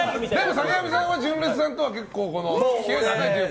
坂上さんは純烈さんとは結構長いというか？